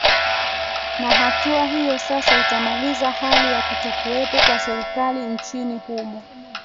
na hatua hiyo sasa itamaliza hali ya kutokuwepo kwa serikali nchini humo